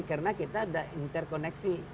karena kita ada interkoneksi